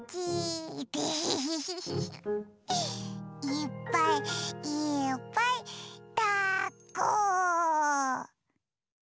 いっぱいいっぱいだっこ！